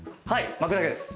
巻くだけです。